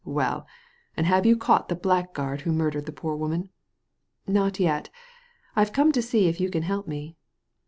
Well, and have you caught the blackguard who murdered the poor woman ?" "Not yet I've come to see if you can help me."